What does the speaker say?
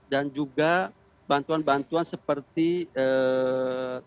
dan juga bantuan bantuan seperti tenda